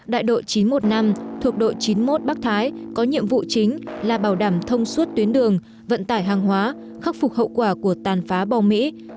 đại đội chín trăm một mươi năm thuộc đội chín mươi một bắc thái có nhiệm vụ chính là bảo đảm thông suốt tuyến đường vận tải hàng hóa khắc phục hậu quả của tàn phá bom mỹ